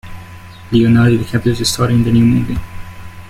Leonardo DiCaprio is staring in the new movie.